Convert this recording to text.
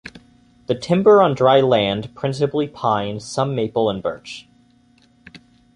The Timber on dry land principally pine some maple and Birch.